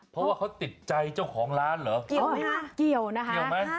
เพราะว่าเขาติดใจเจ้าของร้านเหรอ